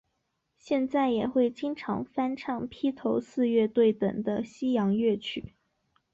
现在也会经常翻唱披头四乐队等的西洋乐曲。